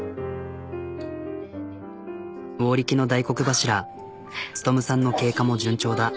魚力の大黒柱力さんの経過も順調だ。